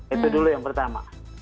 itu dulu yang pertama